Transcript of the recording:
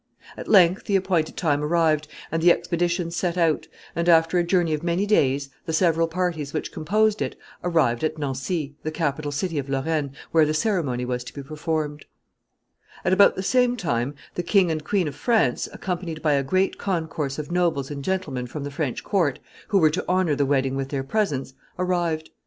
At length the appointed time arrived, and the expedition set out, and, after a journey of many days, the several parties which composed it arrived at Nancy, the capital city of Lorraine, where the ceremony was to be performed. [Sidenote: King and Queen of France.] At about the same time, the King and Queen of France, accompanied by a great concourse of nobles and gentlemen from the French court, who were to honor the wedding with their presence, arrived.